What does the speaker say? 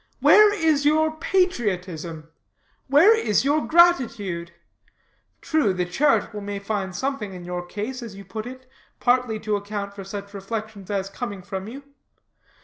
Where is your patriotism? Where your gratitude? True, the charitable may find something in your case, as you put it, partly to account for such reflections as coming from you.